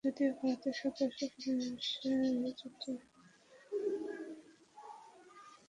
যদিও ভারতের সদস্যপদের বিষয়ে যুক্তরাষ্ট্র, যুক্তরাজ্য, ফ্রান্সসহ বেশির ভাগ দেশের সমর্থন ছিল।